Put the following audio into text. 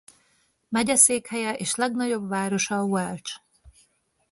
Megyeszékhelye és legnagyobb városa Welch.